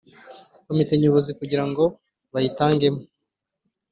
Komite nyobozi kugira ngo bayitangemo